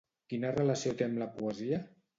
Quina relació té amb la poesia?